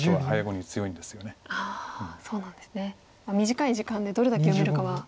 短い時間でどれだけ読めるかは。